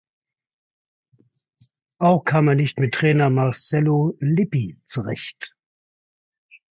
Auch kam er nicht mit Trainer Marcello Lippi zurecht.